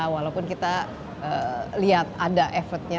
walaupun kita lihat ada effortnya